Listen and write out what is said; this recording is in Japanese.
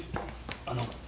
あの。